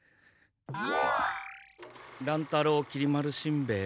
乱太郎きり丸しんベヱ。